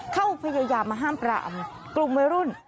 เขาพยายามมาห้ามปรามกลุ่มวัยรุ่น